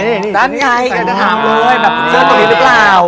เสื้อตรงนี้หรือเปล่า